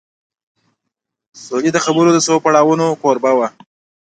سولې د خبرو د څو پړاوونو کوربه و